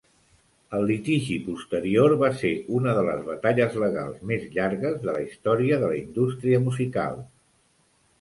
El litigi posterior va ser una de les batalles legals més llargues de la història de la indústria musical.